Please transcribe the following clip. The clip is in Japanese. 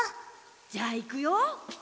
じゃあいくよ。